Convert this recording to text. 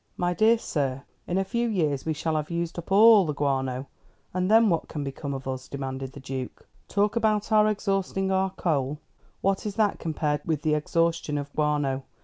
"My dear sir, in a few years we shall have used up all the guano, and then what can become of us?" demanded the Duke. "Talk about our exhausting our coal! What is that compared with the exhaustion of guano?